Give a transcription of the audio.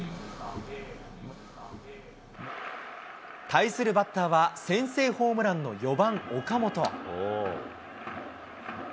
対するバッターは、先制ホームランの４番岡本。